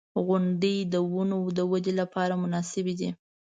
• غونډۍ د ونو د ودې لپاره مناسبې دي.